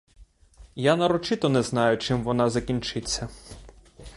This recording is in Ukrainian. Я нарочито не знаю, чим вона закінчиться.